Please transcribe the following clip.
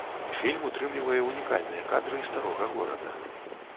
Фільм утрымлівае ўнікальныя кадры старога горада.